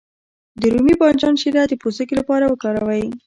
د رومي بانجان شیره د پوستکي لپاره وکاروئ